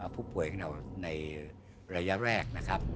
ผู้ป่วยของเราในระยะแรกนะครับ